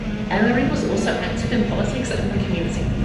Emory was also active in politics and the community.